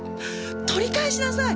取り返しなさい！